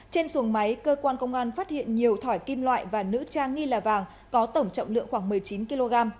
trên xuồng máy cơ quan công an phát hiện nhiều thỏi kim loại và nữ trang nghi là vàng có tổng trọng lượng khoảng một mươi chín kg